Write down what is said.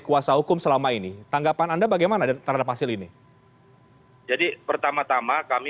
kuasa hukum selama ini tanggapan anda bagaimana terhadap hasil ini jadi pertama tama kami